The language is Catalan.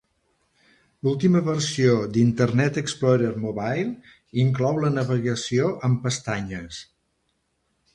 L'última versió d'Internet Explorer Mobile inclou la navegació amb pestanyes.